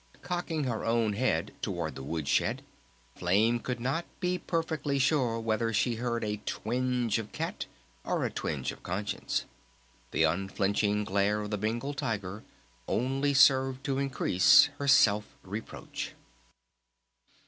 Cocking her own head towards the wood shed Flame could not be perfectly sure whether she heard a twinge of cat or a twinge of conscience. The unflinching glare of the Bengal Tiger only served to increase her self reproach.